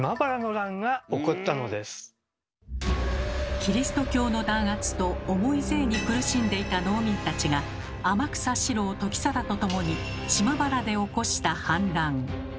キリスト教の弾圧と重い税に苦しんでいた農民たちが天草四郎時貞と共に島原で起こした反乱。